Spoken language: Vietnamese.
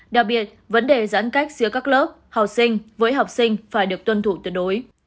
đặc biệt vấn đề giãn cách giữa các lớp học sinh với học sinh phải được tuân thủ tuyệt đối